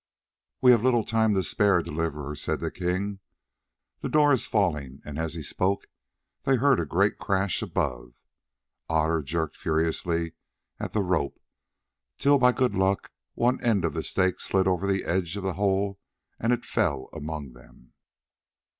"We have little time to spare, Deliverer," said the king; "the door is falling," and as he spoke they heard a great crash above. Otter jerked furiously at the rope, till by good luck one end of the stake slid over the edge of the hole and it fell among them.